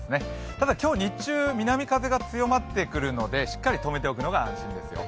ただ、今日、日中、南風が強まってくるので、しっかり止めておくのが安心ですよ。